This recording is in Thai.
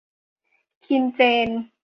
คินเจน